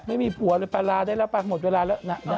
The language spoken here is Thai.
ไม่มีปปั๊อเลยป่าลาได้แล้วป่ะงฎเวลาแล้ว